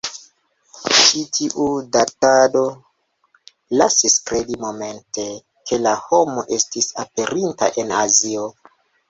Ĉi tiu datado lasis kredi momente, ke la homo estis aperinta en Azio.